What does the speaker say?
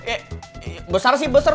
eh besar sih besar